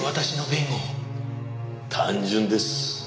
単純です。